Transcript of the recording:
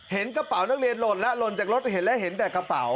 กระเป๋านักเรียนหล่นแล้วหล่นจากรถเห็นแล้วเห็นแต่กระเป๋า